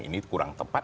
ini kurang tepat